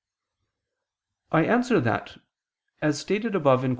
I answer that, As stated above (Q.